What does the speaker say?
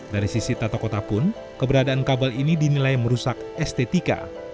dari sisi tata kota pun keberadaan kabel ini dinilai merusak estetika